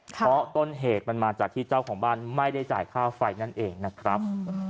เพราะต้นเหตุมันมาจากที่เจ้าของบ้านไม่ได้จ่ายค่าไฟนั่นเองนะครับ